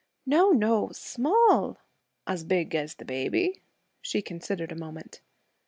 'No, no! Small.' 'As big as the baby?' She considered a moment.